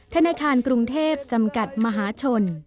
ธนาคารกรุงเทพจำกัดมหาชน